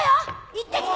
行ってきて！